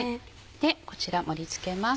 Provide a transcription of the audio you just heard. でこちら盛り付けます。